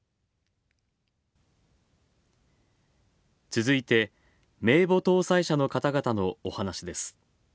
続いて、名簿登載者の方々の、お話です。